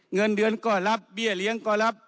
เงินเดือนก็รับเบี้ยเลี้ยงก็รับ